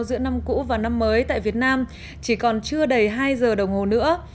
giữa năm cũ và năm mới tại việt nam chỉ còn chưa đầy hai giờ đồng hồ nữa